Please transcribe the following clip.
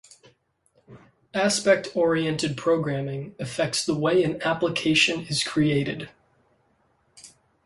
Aspect oriented programming affects the way an application is created.